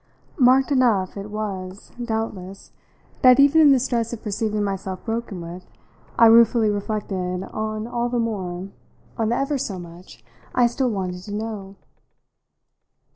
Marked enough it was, doubtless, that even in the stress of perceiving myself broken with I ruefully reflected on all the more, on the ever so much, I still wanted to know!